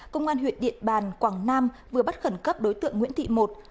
công an huyện điện bàn quảng nam vừa bắt khẩn cấp đối tượng nguyễn thị một